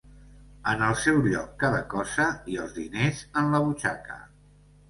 En el seu lloc cada cosa i els diners en la butxaca.